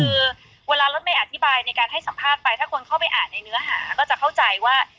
คือเวลารถเมย์อธิบายในการให้สัมภาษณ์ไปถ้าคนเข้าไปอ่านในเนื้อหาก็จะเข้าใจว่า